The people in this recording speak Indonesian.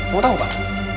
mau tau pak